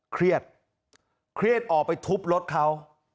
เครียดเครียดออกไปทุบรถเขา